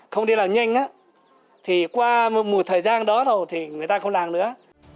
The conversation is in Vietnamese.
trong đây thì nói chung là